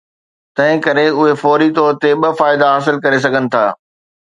تنهن ڪري اهي فوري طور تي ٻه فائدا حاصل ڪري سگهن ٿا.